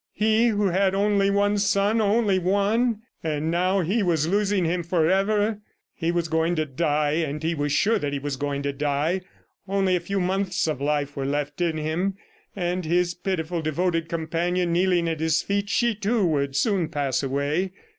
He who had only one son, only one! ... and now he was losing him forever! ... He was going to die; he was sure that he was going to die. ... Only a few months of life were left in him. And his pitiful, devoted companion kneeling at his feet, she, too, would soon pass away.